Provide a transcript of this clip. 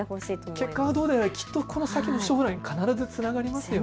結果はどうであれ、きっとこの先の将来につながりますよね。